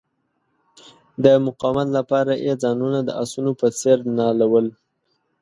د مقاومت لپاره یې ځانونه د آسونو په څیر نالول.